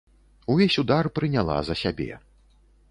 Увесь удар прыняла за сябе.